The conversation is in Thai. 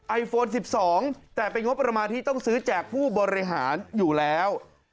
ไอโฟน๑๒แต่เป็นงบประมาณที่ต้องซื้อแจกผู้บริหารอยู่แล้ว